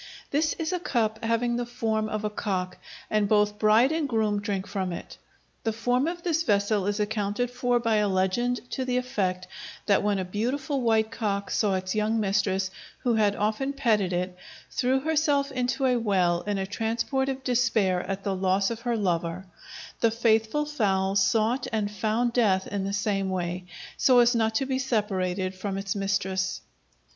This is a cup having the form of a cock, and both bride and groom drink from it. The form of this vessel is accounted for by a legend to the effect that when a beautiful white cock saw its young mistress, who had often petted it, throw herself into a well in a transport of despair at the loss of her lover, the faithful fowl sought and found death in the same way, so as not to be separated from its mistress.